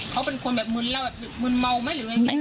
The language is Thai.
เขาเป็นคนแบบมึนเล่าแบบมึนเมาไหม